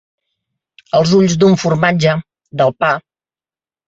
Els ulls d'un formatge, del pa.